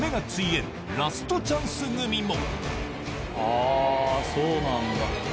あそうなんだ。